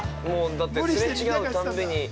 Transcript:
◆だって、すれ違うたんびに。